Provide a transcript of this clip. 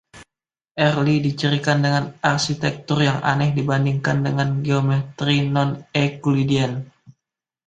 R'lyeh dicirikan dengan arsitektur yang aneh dibandingkan dengan geometri non-Euclidean